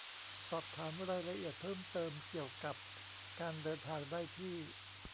สอบถามรายละเอียดเพิ่มเติมเกี่ยวกับการเดินทางได้ที่